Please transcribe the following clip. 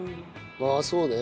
ああそうね。